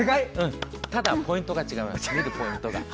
ただ、見るポイントが違います。